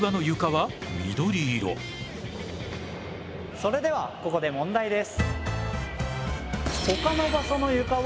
それではここで問題です。